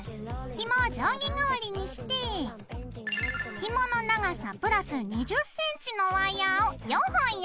ひもを定規代わりにしてひもの長さ＋２０ｃｍのワイヤーを４本用意します。